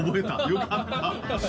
よかった。